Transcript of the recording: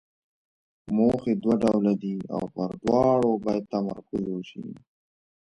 موخې دوه ډوله دي او پر دواړو باید تمرکز وشي.